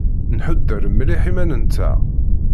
Nḥuder mliḥ iman-nteɣ.